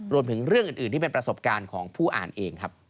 รวมถึงเรื่องอื่นที่เป็นประสบการณ์ของผู้อ่านเองครับ